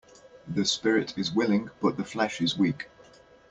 The spirit is willing but the flesh is weak.